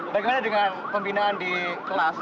bagaimana dengan pembinaan di kelas